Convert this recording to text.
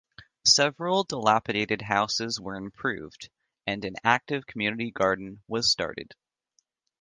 Several dilapidated houses were improved and an active community garden was started.